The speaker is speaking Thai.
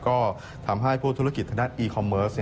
ก็ทำให้พวกธุรกิจทางด้านอีคอมเมิร์ส